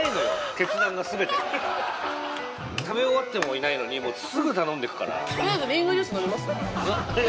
決断がすべて食べ終わってもいないのにすぐ頼んでいくからうん？